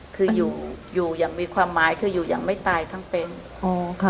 คืออยู่อยู่อย่างมีความหมายคืออยู่อย่างไม่ตายทั้งเป็นอ๋อค่ะ